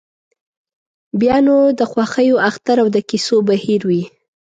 بیا نو د خوښیو اختر او د کیسو بهیر وي.